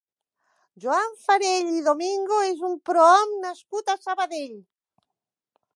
Joan Farell i Domingo és un prohom nascut a Sabadell.